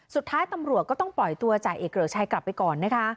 สุดท้ายตำรวจก็ต้องปล่อยตัวจ่าเอกเกริกชัยกลับไปก่อนนะคะ